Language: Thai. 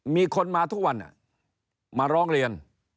มีคนมาทุกวันมาร้องเรียน